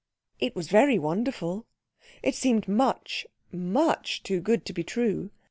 It was very wonderful. It seemed much, much too good to be true.